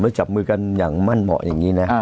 แล้วจับมือกันอย่างมั่นเหมาะอย่างนี้นะ